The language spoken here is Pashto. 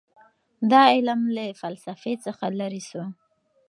دا علم له فلسفې څخه لیرې سو.